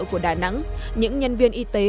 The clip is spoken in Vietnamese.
của đà nẵng những nhân viên y tế